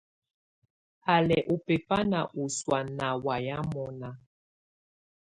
Á lɛ̀ ù bɛ̀fanɛ̀ ù sɔ̀á nà waya mɔ̀na.